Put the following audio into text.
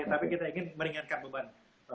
tapi kita ingin meringankan beban